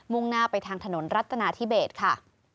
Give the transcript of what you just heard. ่งหน้าไปทางถนนรัฐนาธิเบสค่ะ